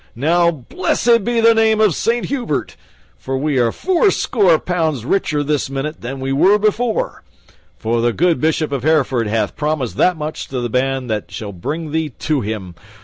Now, blessed be the name of Saint Hubert, for we are fourscore pounds richer this minute than we were before, for the good Bishop of Hereford hath promised that much to the band that shall bring thee to him.